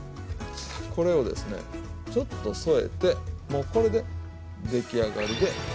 これをですねちょっと添えてもうこれでできあがりで。